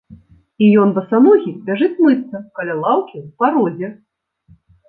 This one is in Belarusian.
І ён басаногі бяжыць мыцца каля лаўкі ў парозе.